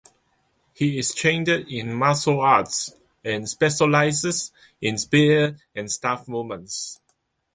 He is trained in martial arts and specialises in spear and staff movements.